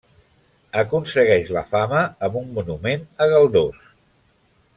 Aconsegueix la fama amb un monument a Galdós.